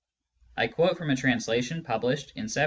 I quote from a translation published in 1730.